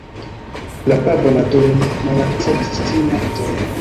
La papo nature malakceptis tiun akton.